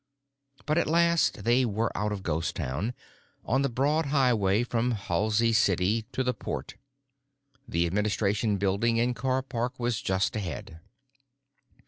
But at last they were out of Ghost Town, on the broad highway from Halsey City to the port. The administration building and car park was just ahead.